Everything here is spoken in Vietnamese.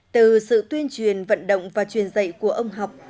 từ sự tuyên truyền vận động và truyền dạy của ông học